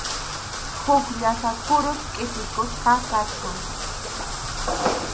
Huk llasa kurus qʼipiykusqa kachkan.